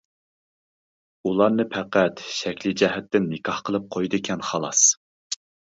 ئۇلارنى پەقەت شەكلى جەھەتتىن نىكاھ قىلىپ قويىدىكەن خالاس.